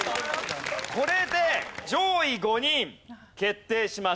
これで上位５人決定しました。